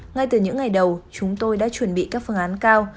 ngay từ những ngày đầu chúng tôi đã chuẩn bị các phương án cao